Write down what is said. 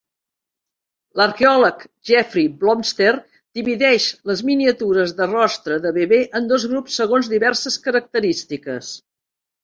L'arqueòleg Jeffrey Blomster divideix les miniatures de rostre de bebè en dos grups segons diverses característiques.